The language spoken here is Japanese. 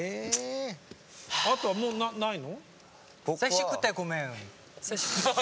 あとはもうないの？